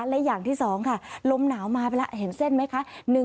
และอย่างที่๒ค่ะลมหนาวมาไปแล้วเห็นเส้นไหมคะ